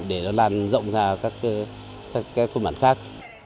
để nó lan rộng ra các thôn mản khác